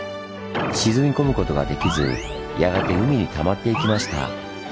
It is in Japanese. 沈み込むことができずやがて海にたまっていきました。